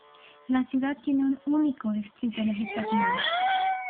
La ciudad tiene un único distrito legislativo.